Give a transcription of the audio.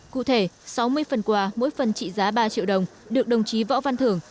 cụ thể sáu mươi phần quà mỗi phần trị giá ba triệu đồng được đồng chí võ văn thưởng